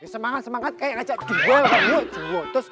semangat semangat kayak yang ajak di bel